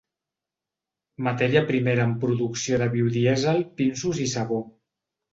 Matèria primera en producció de biodièsel, pinsos i sabó.